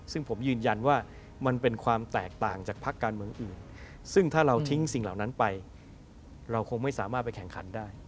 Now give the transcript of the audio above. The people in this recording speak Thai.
ซึ่งผมยืนยันว่ามันเป็นความแตกต่างจากพักการเมืองอื่นซึ่งถ้าเราทิ้งสิ่งเหล่านั้นไปเราคงไม่สามารถไปแข่งขันได้